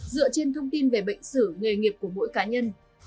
dựa trên thông tin về bệnh sử nghề nghiệp của mỗi cá nhân